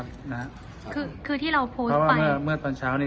ผมอยากขอโทษทุกคนครับที่ผมทำลงไปนะฮะ